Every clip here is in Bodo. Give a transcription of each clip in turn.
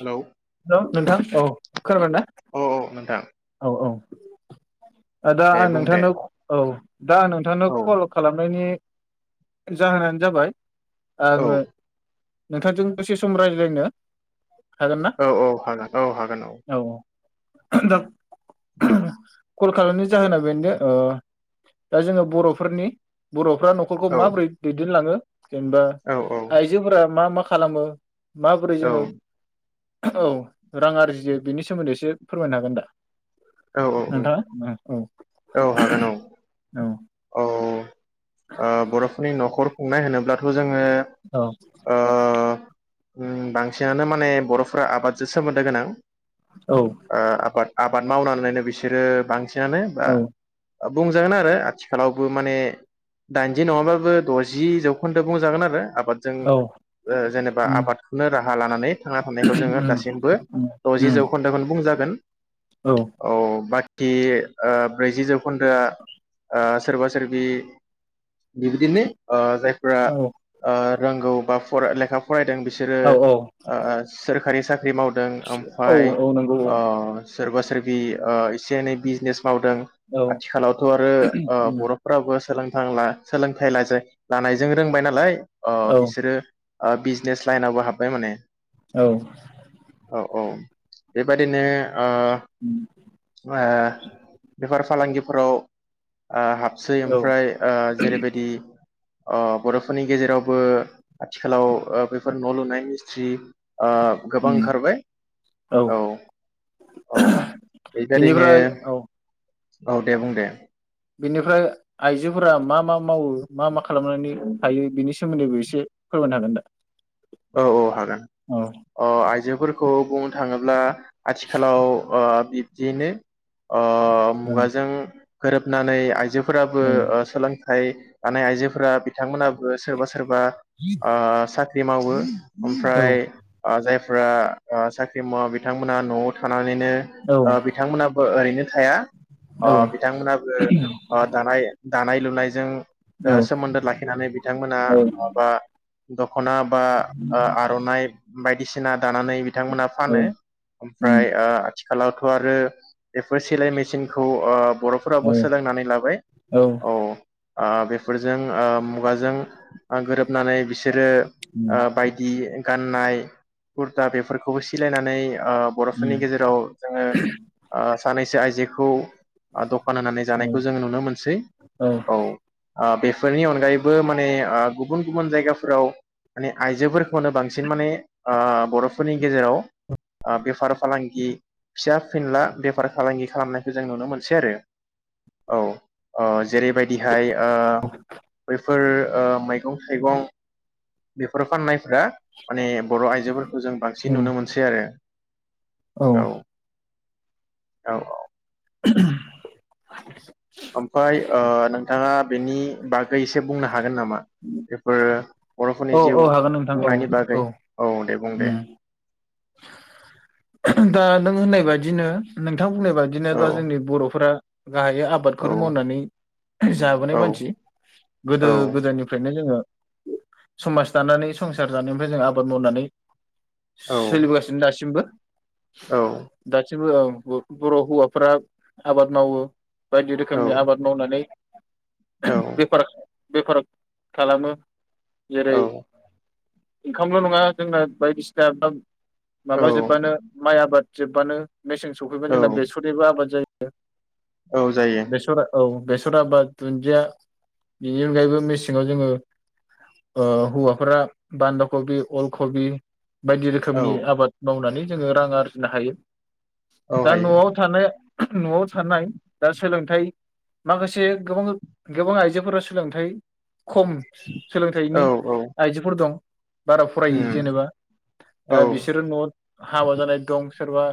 हेलौ हेल' नोंथां औ खोनाबाय ना औ औ नोंथां औ औ दा दे आं बुं दे नोंथांनो औ दा आं नोंथांनो औ कल खालामनायनि जाहोनानो जाबाय औ आंङो नोंथांजों दसे सम रायज्लायनो हागोन ना औ औ हागोन औ हागोन औ। दा [inaudible] कल खालामनि जाहोना बेनो ओ दा जोङो बर'फोरनि बर' फ्रा न'खरखौ औ माबोरै दैदेनलाङो जेनेबा औ औ आइजोफोरा मा मा खालामो माबोरै जोंङो औ रां आरजियो बेनि सोमोन्दै एसे फोरमायनो हागोन दा औ औ नोंथाङा औ औ हागोन औ औ औ ओ बर'फोरनि न'खर संनाय होनोब्लाथ' जोङो अ उम बांसिनानो माने बर'फोरा आबादजों सोमोन्दो गोनां औ ओ आबाद आबाद मावनानैनो बिसोरो बांसि जानो बा औ बुंजागोन आरो आथिखालावबो माने दाइनजि नङाबाबो द'जि जौखोन्दो बुंजागोन आरो आ बादजों औ ओ जेनेबा उम आबादखौनो राहा लानानै थांना थानायखौ जोङो उम दासिमबो उम द'जि उम जौ खोन्दोखौनो बुंजागोन औ बा कि ओ ब्रैजि जौ खदोआ ओ सोरबा सोरबि बिदिनो ओ जाय फोरा ओ रोंगौ बा फरा लेखा फरायदों बिसोर औ औ ओ सोर खारि सा ख्रि मावदों औ ओमफ्राय औ नंगौ औ सोरबा सोरबि ओ एसे एनै बिजनेस मावदों औ आथिखालावथ' आरो ओ उम बर'फ्राबो सोलोंथाइ लानायजों रोंबाय नालाय ओ औ बिसोरो ओ बिजनेस लाइनावबो हाब्बाय माने औ औ औ बेबादिनो उम ओ ए बेफोर फालांगिफोराव ओ हाबसै औ ओमफ्राय ओ जेरैबायदि ओ बर'फोरनि गेजेरावबो आथिखालाव बेफोर न' लुनाय मिस्थ्रि ओ गोबां उम ओंखारबाय औ औ। बेबायदिनो बेनिफ्राय औ औ दे बुं दे। बेनिफ्राय आइजोफोरा मा मा मावो मा मा खालामनानै थायो बिनि सोमोन्दैबो एसे फोरमायनो हागोन दा? औ औ हागोन औ अ आइजो फोरखौ बुंनो थाङोब्ला आथिखालाव ओ जेनो ओ मुगाजों गोरोबनानै आइजो फोराबो औ ओ सोलों थाइ लानाय आइजोफोरा बिथांमोना सोरबा सोरबा ओ सा ख्रि मावो। ओमफ्राय ओ जाय फोरा साख्रि मावा बिथांमोना न'आव थाना नानैनो औ ओ बिथांमोनाबो ओरैनो थाया औ ओ बिथांमोनाबो ओ दानाय दानाय लुनायजों औ सोमोन्दो लाखिनानै बिथांमोना माबा द खना बा आर'नाय बायदिसिना दानानै बिथांमोना औ फानो उम ओमफ्राय ओ आथिखालावथ' आरो बेफोर सिलाय मेसिनखौ ओ औ बर'फोराबो सोलोंनानै लाबाय औ। ओ बेफोरजों ओ मुगाजों ओ गोरोबनानै बिसोरो ओ उम बायदि गानाय कुरता बेफोरखौबो सिलायनानै ओ बर'फोरनि उम गेजेराव जोङो ओ सानैसो आइजो खौ ओ दखान होनानै औ जानायखौ जोङो नुनो मोनसै, औ। ओ बे फोरनि अनगायैबो माने ओ गुबुन गुबुन जायगाफोराव माने आइजोफोर खौनो बांसिन माने ओ बर'फोरनि गेजेराव ओ बेफार फालांगि फिसा फिनला बेफार फालांगि खालामनायखौ जों नुनो मोनसै आरो। औ ओ जेरैबायदिहाय ओ बैफोर मैगं थाइगं बेफोर फाननाय फ्रा माने बर' आइजोफोरखौ जों बांसिन औ नुनो मोनसै आरो। औ औ औ [unintelligible] ओमफ्राय ओ नोंथाङा बेनि बा गै एसे बुंनो हागोन नामा? बेफोरो बर'फोरनि औ जिउ औ हागोन नोंथां औ खुंनायनि बागै औ दे। बुं दे उम [inaudible] दा नों होननाय बादिनो नों नोंथां बुंनाय बादिनो औ बा जोंनि बर'फोरा गाहायै औ आबादखौनो मावनानै जाबोनाय औ मानसि। औ गोदो गोदायनिफ्रायनो जोङो समाज दानानै संसार जानायनिफ्राय जों आबाद मावनानै औ सोलिबोगासिनो दासिमबो औ बो ब-बर' हौवाफोरा आबाद मावो। बायदि औ रोखोमनि आबाद मावनानै औ बेफार बेफार खालामो। जेरै ओंखामल' नङा जोंना बायदिसिना औ माबा जोब्बानो माइ आबाद जोब्बानो मेसें सफैबा औ जोंना बेसरनिबो आबाद जायो। [unintelligible] औ जायो [inaudible] बेसरा औ बेस [unintelligible] बा दुन्दिया, बेनि अनगायैबो मेसेङाव जोङो ओ हौवाफोरा बान्दा कबि अल कबि बाय औ रोखोमनि आबाद मावनानै जोङो रां आरजिनो हायो। औ दा हायो नआव थानो नआव थानाय दा सोलोंथाइ माखासे गोबां गोबां आइजोफोरा सोलोंथाइ खम औ सोलोंथाइनि औ आइजोफोर दं। बारा फरायि उम जेनेबा औ दा बिसोरो नआव हाबा जानाय दं। सोरबा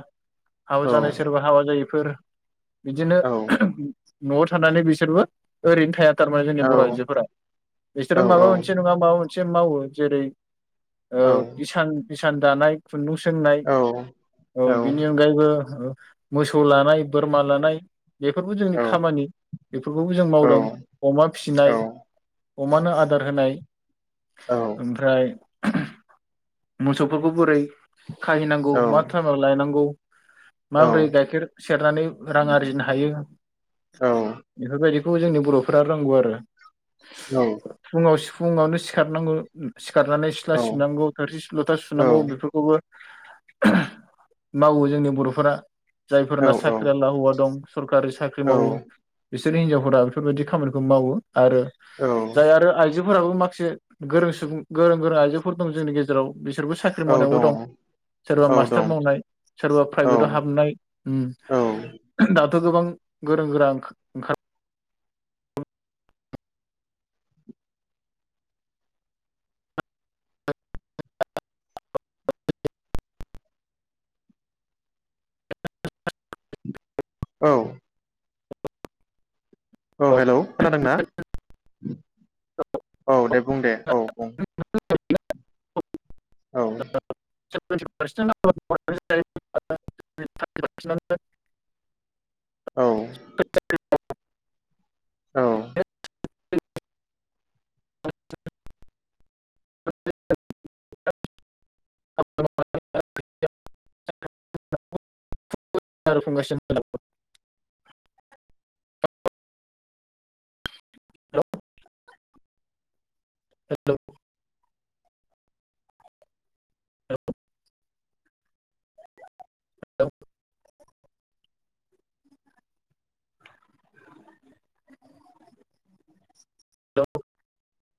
हाबा औ जानाय सोरबा हाबा जायै फोर बिदिनो नआव थानानै बिसोरबो ओरैनो थाया। गारबाय जोंनि औ बर आइजोफोरा बिसोरो औ औ माबा मोनसे नङा माबा मोनसे मावो जेरै ओ इसान इसान दानाय। खुन्दुं सोंनाय औ औ बेनि अनगायैबो मोसौ लानाय बोरमा लानाय बेफोरबो जोंनि खामानि बेफोरखौबो जों मावदों अमा फिसिनाय। अमानो आदार होनाय। ओमफ्राय मोसौफोरखौ बोरै खाहैनांगौ मा‌ थाइमआव लायनांगौ माब्रै गायाखेर सेरनानै रां आरजिनो हायो? एफोरबायदि खौ जोंनि बरफ्रा रोंगौ आरो औ [unintelligible] फुङावनो सिखारनांगौ खारनानै सिथ्ला औ औ सिबनांगौ थोरसि लथा औ सुनांगौ बेफोरखौबो मावो जोंनि बर'फोरा जायफोरना औ साख्रियाला हौवा दं सरकारि साख्रि औ मावो बिसोर हिन्जावफोरा बेफोरबायदि खामानिखौ मावो आरो औ जाय आरो आइजो आफोराबो माखासे गोरों सुबुं गोरों गोरों आइजोफोर दं जोंनि गेजेराव बिसोरबो साख्रि औ मावनायावबो दङ दं सोरबा औ मास्टार दं मावनाय सोरबा औ प्राइभेटआव हाबनाय औ द' थ' गोबां गोरों गोरां ओंखार औ औ हेल' खोनादोंना औ दे बुं दे औ बुं। औ [inaudible] औ [inaudible] [inaudible] औ [unintelligible] फगासिनो हेलौ